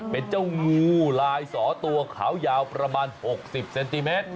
เป็นเจ้างูลายสอตัวขาวยาวประมาณ๖๐เซนติเมตร